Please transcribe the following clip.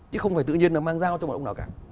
chứ không phải tự nhiên nó mang giao cho một ông nào cả